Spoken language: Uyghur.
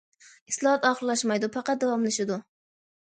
ئىسلاھات ئاخىرلاشمايدۇ، پەقەت داۋاملىشىدۇ.